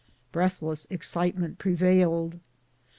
Breathless ex citement prevailed.